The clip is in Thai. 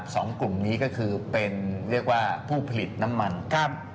สองกลุ่มนี้ก็คือเป็นเรียกว่าผู้ผลิตน้ำมันครับ